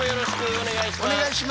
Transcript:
お願いします。